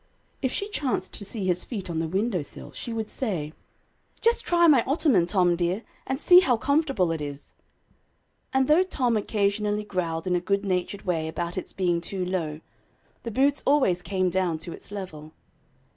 If she chanced to see his feet on the window sill, she would say, "Just try my ottoman, Tom dear, and see how comfortable it is;" and though Tom occasionally growled in a good natured way about its being too low, the boots always came down to its level.